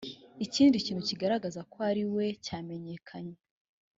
ikindi kintu kigaragaza ko ariwe cyamenyekanye